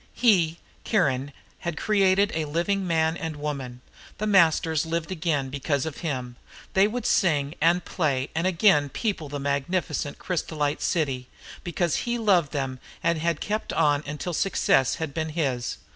He, Kiron, had created a living man and woman. The Masters lived again because of him. They would sing and play and again people the magnificent crysolite city because he loved them and had kept on until success had been his.